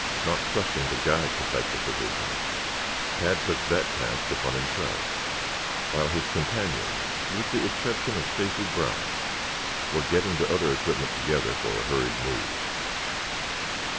Not trusting the guide to pack the provisions Tad took that task upon himself, while his companions, with the exception of Stacy Brown, were getting the other equipment together for a hurried move.